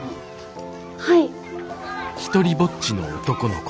はい。